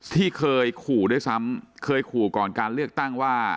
ที่เคยขู่ด้วยซ้ำเคยขู่ก่อนการเลือกตั้งว่า